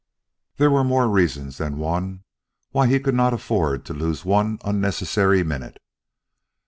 There were more reasons than one why he could not afford to lose one unnecessary minute.